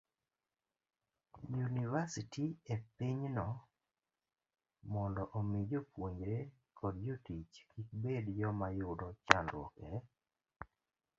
yunivasiti e pinyno, mondo omi jopuonjre kod jotich kik bed joma yudo chandruok e